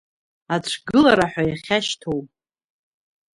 Ацәгылара ҳәа иахьашьҭоу.